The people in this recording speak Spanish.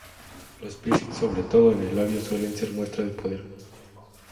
Los piercings sobre todo en el labio suelen ser muestras de poder.